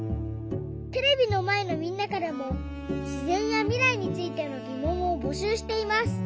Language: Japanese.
テレビのまえのみんなからもしぜんやみらいについてのぎもんをぼしゅうしています。